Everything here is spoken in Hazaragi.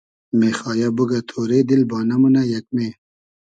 مېخایۂ بوگۂ تۉرې دیل بانۂ مونۂ یئگمې